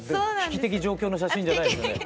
危機的状況の写真じゃないですよね？